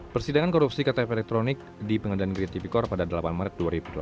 persidangan korupsi ktp elektronik di pengadilan negeri tipikor pada delapan maret dua ribu delapan belas